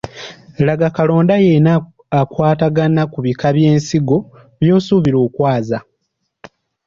Laga kalonda yenna akwatagana ku bika by’ensigo by’osuubira okwaza.